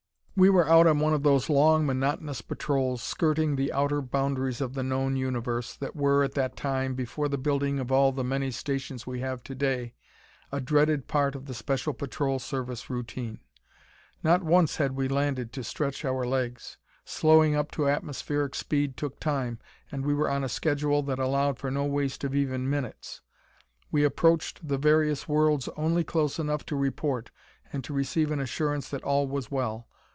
We were out on one of those long, monotonous patrols, skirting the outer boundaries of the known universe, that were, at that time, before the building of all the many stations we have to day a dreaded part of the Special Patrol Service routine. Not once had we landed to stretch our legs. Slowing up to atmospheric speed took time, and we were on a schedule that allowed for no waste of even minutes. We approached the various worlds only close enough to report, and to receive an assurance that all was well.